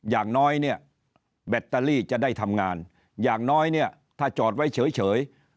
อย่างน้อยเนี่ยแบตเตอรี่จะได้ทำงานอย่างน้อยเนี่ยถ้าจอดไว้เฉย